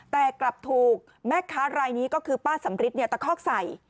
แกกลับถูกแม่ค้ารายนี้ก็คือป้าสัมฤทธิ์เนี่ยตะคอกใส่